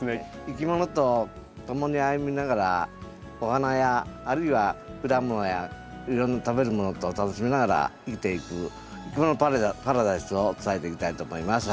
いきものと共に歩みながらお花やあるいは果物やいろんな食べる物とを楽しみながら生きていくいきものパラダイスを伝えていきたいと思います。